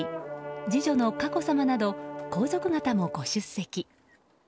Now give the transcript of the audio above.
次女の佳子さまなど皇族方もご出席。